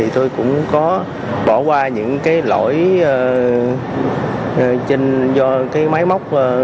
tôi cũng có bỏ qua những lỗi do máy móc